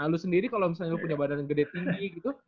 lalu sendiri kalau misalnya lo punya badan gede tinggi gitu